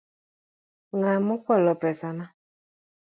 Ng'a mokwalo mesana?